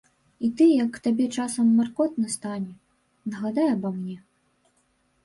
І ты як табе часам маркотна стане, нагадай аба мне.